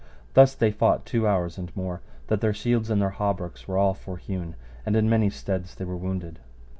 Thus they fought two hours and more, that their shields and their hauberks were all forhewen, and in many steads they were wounded.